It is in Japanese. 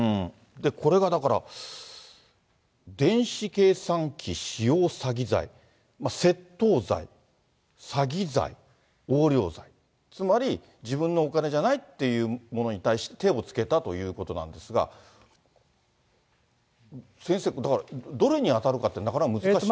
これがだから、電子計算機使用詐欺罪、窃盗罪、詐欺罪、横領罪、つまり、自分のお金じゃないっていうものに対して、手をつけたということなんですが、先生、だから、どれに当たるかっていうのは、なかなか難しい。